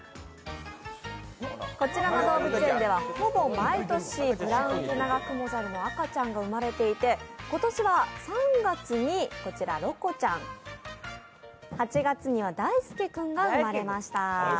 こちらの動物園ではほぼ毎年ブラウンケナガクモザルの赤ちゃんが生まれていて今年は３月にロコちゃん、８月にはダイスケ君が生まれました